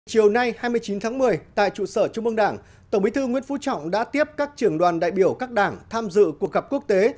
chiều nay hai mươi chín tháng một mươi tại trụ sở trung mương đảng tổng bí thư nguyễn phú trọng đã tiếp các trưởng đoàn đại biểu các đảng tham dự cuộc gặp quốc tế